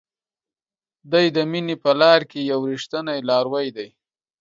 دی د مینې په لار کې یو ریښتینی لاروی دی.